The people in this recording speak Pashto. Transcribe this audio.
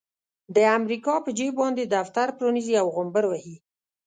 د امريکا په جيب باندې دفتر پرانيزي او غومبر وهي.